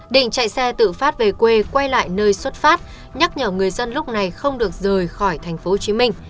định chạy xe tự phát về quê quay lại nơi xuất phát nhắc nhở người dân lúc này không được rời khỏi tp hcm